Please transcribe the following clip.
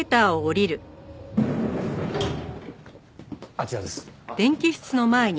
あちらです。